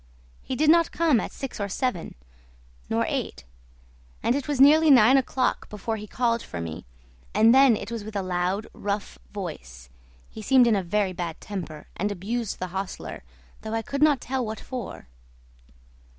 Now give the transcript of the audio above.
He did not come at six nor seven, nor eight, and it was nearly nine o'clock before he called for me, and then it was with a loud, rough voice. He seemed in a very bad temper, and abused the hostler, though I could not tell what for.